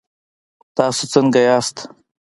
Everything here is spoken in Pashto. تاسو څنګ ياست؟